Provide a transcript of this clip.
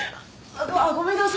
あっごめんなさい。